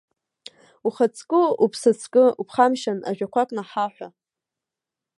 Ухаҵкы-уԥсаҵкы, уԥхамшьан, ажәақәак наҳаҳәа.